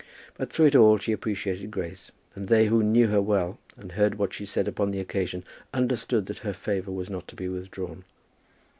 But, through it all, she appreciated Grace; and they who knew her well and heard what she said upon the occasion, understood that her favour was not to be withdrawn.